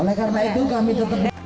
oleh karena itu kami tetap